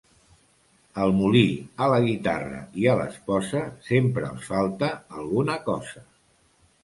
Al molí, a la guitarra i a l'esposa sempre els falta alguna cosa.